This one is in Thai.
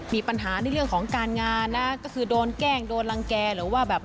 มีปัญหาในเรื่องของการงานนะก็คือโดนแกล้งโดนรังแก่หรือว่าแบบ